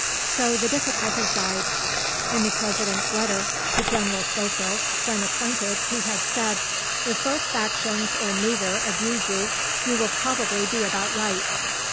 So the difficulties died. In the President's letter to General Schofield, when appointed, he had said, "If both factions, or neither, abuse you, you will probably be about right.